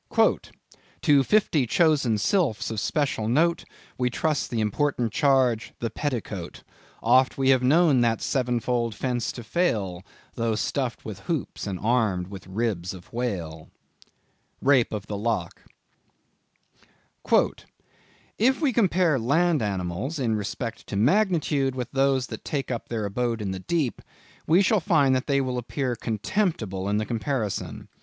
"To fifty chosen sylphs of special note, We trust the important charge, the petticoat. Oft have we known that seven fold fence to fail, Tho' stuffed with hoops and armed with ribs of whale." —Rape of the Lock. "If we compare land animals in respect to magnitude, with those that take up their abode in the deep, we shall find they will appear contemptible in the comparison.